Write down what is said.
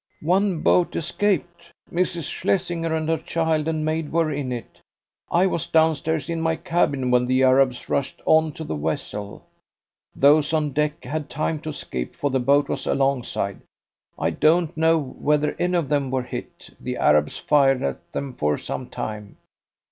"One boat escaped. Mrs. Shlesinger and her child and maid were in it. I was downstairs in my cabin when the Arabs rushed on to the vessel. Those on deck had time to escape, for the boat was alongside. I don't know whether any of them were hit. The Arabs fired at them for some time."